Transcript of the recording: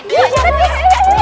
yuk cepet yuk